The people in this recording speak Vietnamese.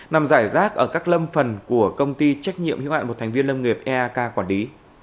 nằm giải rác ở các lâm phần của công ty trách nhiệm hữu hạn một thành viên lâm nghiệp eak quản lý